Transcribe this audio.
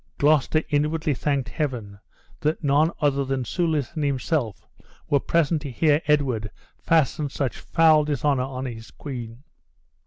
Gloucester inwardly thanked Heaven that none other than Soulis and himself were present to hear Edward fasten such foul dishonor on his queen.